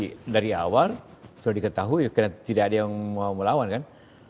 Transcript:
sehingga sudah di awal sudah diketahui karena tidak ada yang mau melawan kan